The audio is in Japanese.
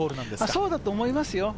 そうだと思いますよ。